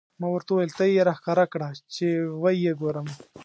ما ورته وویل: ته یې را ښکاره کړه، چې و یې ګورم.